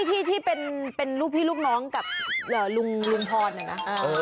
ที่ที่เป็นลูกพี่ลูกน้องกับลุงลุงพรน่ะนะ